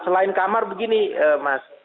selain kamar begini mas